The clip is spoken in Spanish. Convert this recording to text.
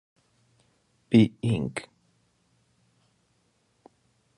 Be Inc.